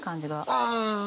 ああ。